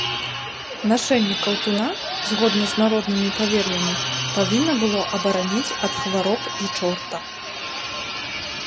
Нашэнне каўтуна, згодна з народнымі павер'ямі, павінна было абараніць ад хвароб і чорта.